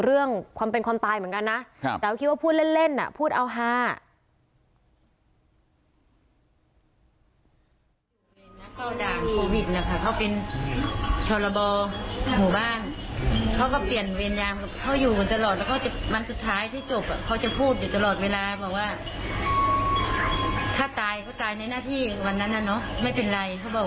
เรื่องความเป็นความตายเหมือนกันนะแต่ว่าคิดว่าพูดเล่นพูดเอาฮา